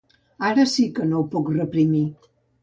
Ara sí que no ho puc reprimir.